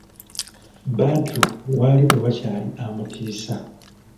Badru waali tewakyali amutiisa!